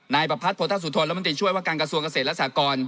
ประพัทธสุธนรัฐมนตรีช่วยว่าการกระทรวงเกษตรและสากร